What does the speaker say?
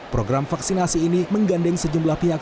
program vaksinasi ini menggandeng sejumlah pihak